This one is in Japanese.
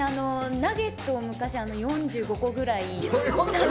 ナゲットを昔４５個ぐらい。